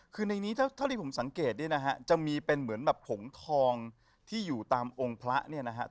คือในนี้เท่าที่ผมสังเกตเนี่ยนะฮะจะมีเป็นเหมือนแบบผงทองที่อยู่ตามองค์พระเนี่ยนะครับ